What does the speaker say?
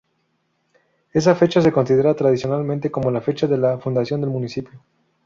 Esa fecha se considera tradicionalmente como fecha de la fundación del municipio.